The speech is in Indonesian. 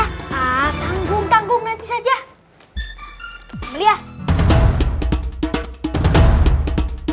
hai ah tanggung tanggung nanti saja melihat